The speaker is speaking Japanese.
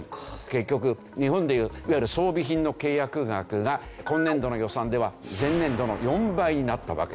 結局日本でいういわゆる装備品の契約額が今年度の予算では前年度の４倍になったわけですね。